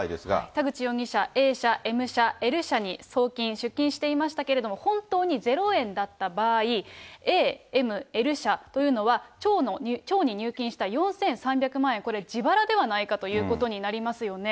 田口容疑者、Ａ社、Ｍ社、Ｌ社に送金、出金していましたけれども、本当にゼロ円だった場合、Ａ、Ｍ、Ｌ社というのは町に入金した４３００万円、これ、自腹ではないかということになりますよね。